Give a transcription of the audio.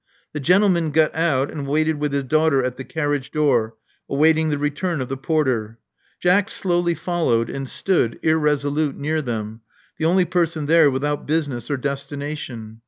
The gentleman got out, and waited with his daughter at the carriage door, awaiting the return of the porter. Jack slowly followed, and stood, irresolute, near them, the only person there without business or destination.